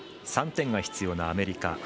３点が必要なアメリカ。